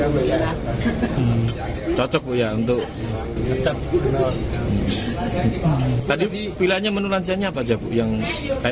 makanan ini berupa nasi tim atau bubur